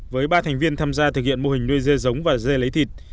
với ba thành viên tham gia thực hiện mô hình nuôi dê giống và dê lấy thịt